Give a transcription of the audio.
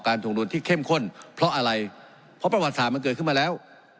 ถวงดุลที่เข้มข้นเพราะอะไรเพราะประวัติศาสตร์มันเกิดขึ้นมาแล้ว